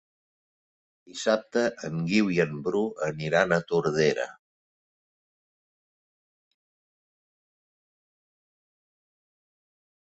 Dissabte en Guiu i en Bru aniran a Tordera.